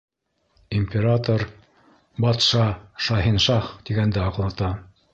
Император, батша, Шаһиншаһ тигәнде аңлата!